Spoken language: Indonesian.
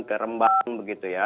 ke rembang begitu ya